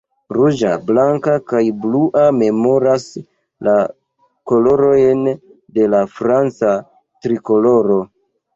Ruĝa, blanka, kaj blua memoras la kolorojn de la franca Trikoloro.